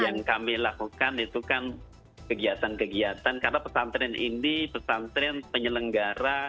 yang kami lakukan itu kan kegiatan kegiatan karena pesantren ini pesantren penyelenggara